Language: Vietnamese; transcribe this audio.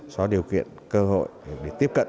có điều kiện cơ hội để tiếp cận